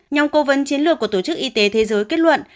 nhóm cố vấn chiến lược của tổ chức y tế thế giới kết luận